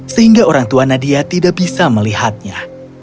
sehingga orang tua nadia tidak bisa melihatnya